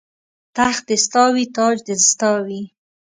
تخت دې ستا وي تاج دې ستا وي